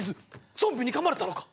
ゾンビにかまれたのか！？